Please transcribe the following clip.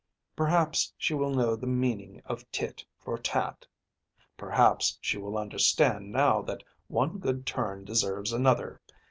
"Perhaps she will know the meaning of tit for tat. Perhaps she will understand now that one good turn deserves another.